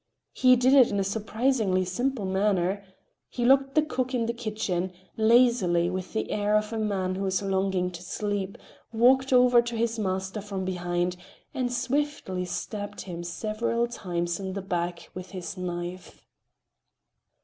He did it in a surprisingly simple manner. He locked the cook in the kitchen, lazily, with the air of a man who is longing to sleep, walked over to his master from behind and swiftly stabbed him several times in the back with his knife.